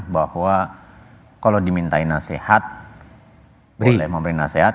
bahwa kalau dimintai nasihat memberi nasihat